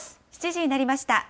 ７時になりました。